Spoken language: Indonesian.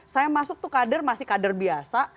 saya masuk tuh kader masih kader biasa